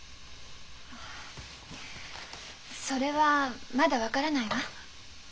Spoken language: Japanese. あそれはまだ分からないわ。